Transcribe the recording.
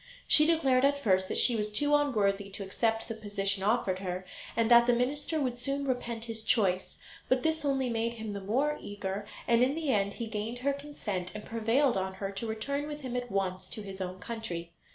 She declared at first that she was too unworthy to accept the position offered her, and that the minister would soon repent his choice; but this only made him the more eager, and in the end he gained her consent, and prevailed on her to return with him at once to his own country.